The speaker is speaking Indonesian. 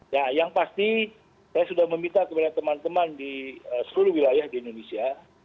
ya yang pasti saya sudah meminta kepada teman teman di seluruh wilayah di indonesia